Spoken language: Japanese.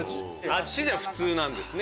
あっちじゃ普通なんですね